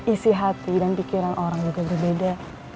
isi hati dan pikiran orang juga berbeda